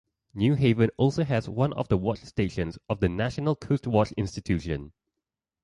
Newhaven also has one of the Watch stations of the National Coastwatch Institution.